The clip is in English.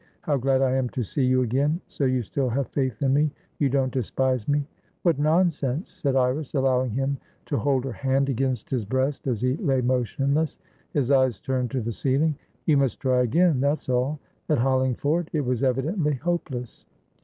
How glad I am to see you again! So you still have faith in me? You don't despise me?" "What nonsense!" said Iris, allowing him to hold her hand against his breast as he lay motionless, his eyes turned to the ceiling. "You must try again, that's all. At Hollingford, it was evidently hopeless."